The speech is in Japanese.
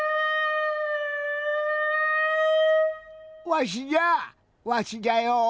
わしじゃわしじゃよ。